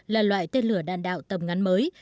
là loại tên lửa đạn đạo tầm ngắn mới